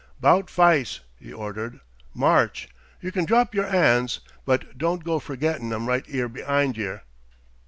"'Bout fice," he ordered. "March. Yer can drop yer 'ands but don't go forgettin' I'm right 'ere be'ind yer."